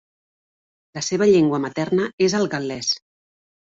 La seva llengua materna és el gal·lès.